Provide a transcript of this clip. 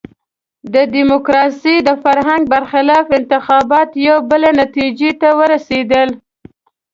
د ډیموکراسۍ د فرهنګ برخلاف انتخابات یوې بلې نتیجې ته ورسېدل.